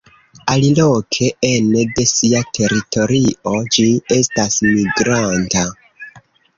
Aliloke ene de sia teritorio ĝi estas migranta.